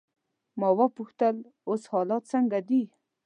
ما وپوښتل: اوس حالات څنګه دي؟